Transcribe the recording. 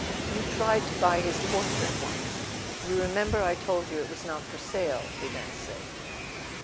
"You tried to buy his portrait once—you remember I told you it was not for sale," he then said.